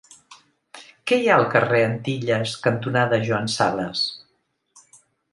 Què hi ha al carrer Antilles cantonada Joan Sales?